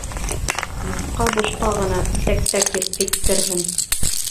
Юҡҡа бушҡа ғына «тәк-тәк» тип әйттерҙем.